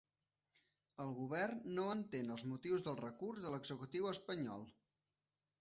El govern no entén els motius del recurs de l'executiu espanyol